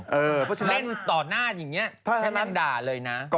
เพราะฉะนั้นเล่นต่อหน้าอย่างนี้แค่นั่งด่าเลยนะ